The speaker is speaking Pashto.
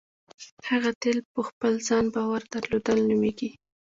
هغه تیل په خپل ځان باور درلودل نومېږي.